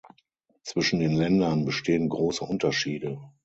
Zwischen den Ländern bestehen große Unterschiede.